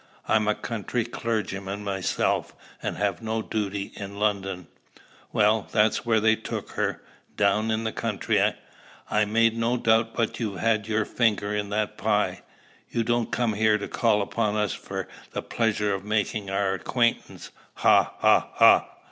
"I'm a country clergyman myself, and have no duty in London." "Well, that's where they've took her down in the country. I make no doubt but you've had your finger in that pie. You don't come here to call upon us for the pleasure o' makin' our acquaintance ha! ha!